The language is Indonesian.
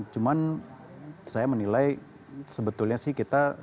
cuman saya menilai sebetulnya sih kita